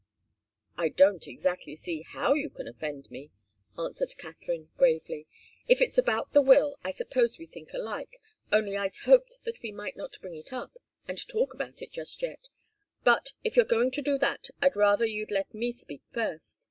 "I don't exactly see how you can offend me," answered Katharine, gravely. "If it's about the will, I suppose we think alike, only I'd hoped that we might not bring it up and talk about it just yet. But if you're going to do that, I'd rather you'd let me speak first.